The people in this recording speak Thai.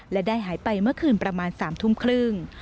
และได้หายไปเมื่อคืนประมาณ๓ทุ่มครึ่ง